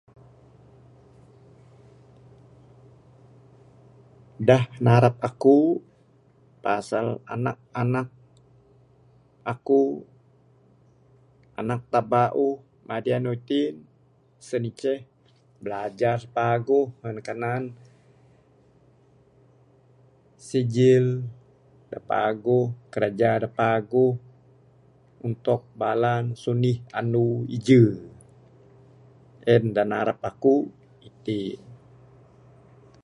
Dah narap aku pasal anak anak aku anak taap bauh madi anu iti ne sien inceh bilajar paguh ngan ne kanan sijil da paguh, kraja da paguh untuk bala ne sunih anu ije en da narap aku iti ne.